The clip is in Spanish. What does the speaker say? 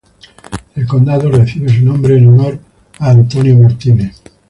El condado recibe su nombre en honor a William Jasper.